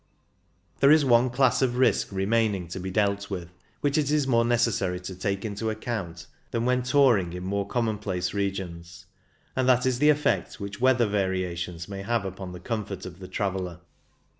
There is one class of risk remaining JUy WHAT ARE THE RISKS? 209 be dealt with which it is more necessary to take into account than when touring in more commonplace regions, and that is the effect which weather variations may have upon the comfort of the traveller.